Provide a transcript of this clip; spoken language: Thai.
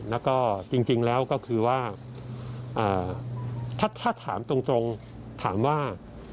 แล้วก็จริงแล้วก็คือว่าถ้าถามตรงถามว่า